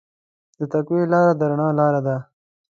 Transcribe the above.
د تقوی لاره د رڼا لاره ده.